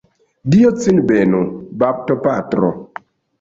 Dio cin benu, baptopatro!